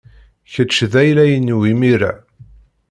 Kečč d ayla-inu imir-a.